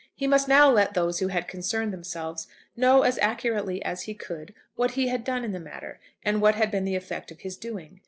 He must now let those who had concerned themselves know as accurately as he could what he had done in the matter, and what had been the effect of his doing.